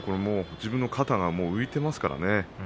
自分の肩が浮いていますからね。